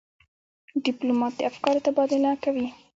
ډيپلومات د افکارو تبادله کوي.